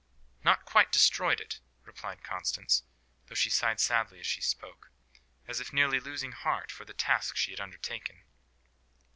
"Not quite destroyed it," replied Constance, though she sighed sadly as she spoke, as if nearly losing heart for the task she had undertaken.